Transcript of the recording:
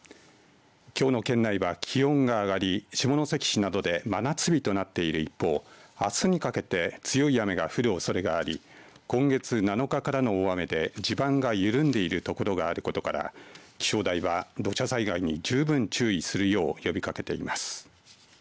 きょうの県内は気温が上がり下関市などで真夏日となっている一方あすにかけて強い雨が降るおそれがあり今月７日からの大雨で地盤が緩んでいるところがあることから気象台は土砂災害に十分注意するよう呼びかけています。